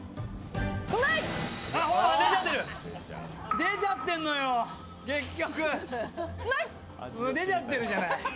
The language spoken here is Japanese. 出ちゃってるじゃない。